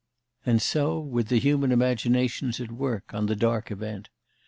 And so with the human imaginations at work on the dark event.